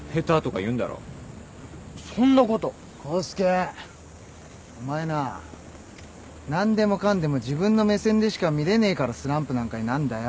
康介お前なあ何でもかんでも自分の目線でしか見れねえからスランプなんかになんだよ。